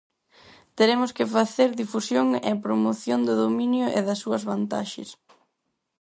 Teremos que facer difusión e promoción do dominio e das súa vantaxes.